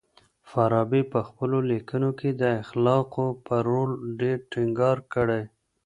فارابي په خپلو ليکنو کي د اخلاقو پر رول ډېر ټينګار کړی.